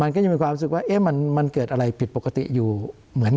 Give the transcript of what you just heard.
มันก็ยังมีความรู้สึกว่ามันเกิดอะไรผิดปกติอยู่เหมือน